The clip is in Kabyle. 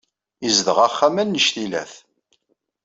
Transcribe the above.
Yezdeɣ axxam annect-ilat.